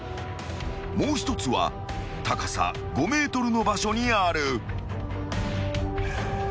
［もう１つは高さ５ｍの場所にある］